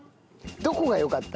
どこがよかった？